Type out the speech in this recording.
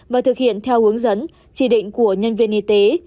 và thực hiện theo hướng dẫn chỉ định của nhân viên y tế